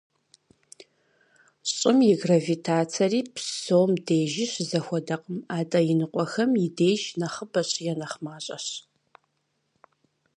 Щӏым и гравитацэри псом дежи щызэхуэдэкъым, атӏэ иныкъуэхэм и деж нэхъыбэщ е нэхъ мащӏэщ.